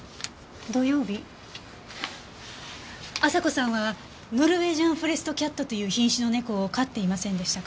土曜日亜沙子さんはノルウェージャンフォレストキャットという品種の猫を飼っていませんでしたか？